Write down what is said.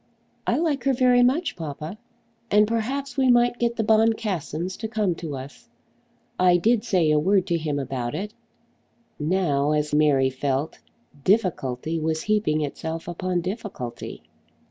"I like her very much, papa." "And perhaps we might get the Boncassens to come to us. I did say a word to him about it." Now, as Mary felt, difficulty was heaping itself upon difficulty.